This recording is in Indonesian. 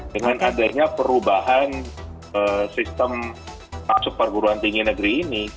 dengan adanya perubahan sistem masuk perguruan tinggi negeri ini